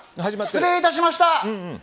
失礼いたしました。